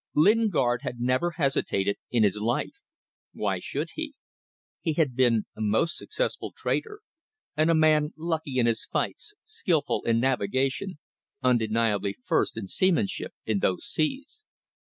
Lingard had never hesitated in his life. Why should he? He had been a most successful trader, and a man lucky in his fights, skilful in navigation, undeniably first in seamanship in those seas.